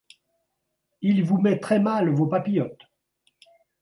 Il vous met très mal vos papillotes.